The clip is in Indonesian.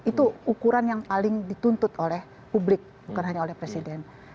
itu ukuran yang paling dituntut oleh publik bukan hanya oleh presiden